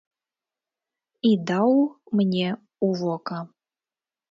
І даў мне ў вока.